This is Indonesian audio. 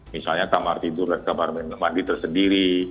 misalnya kamar tidur dan kamar mandi tersendiri